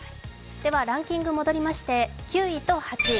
ではランキング戻りまして、９位と８位。